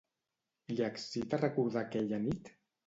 Li excita recordar aquella nit?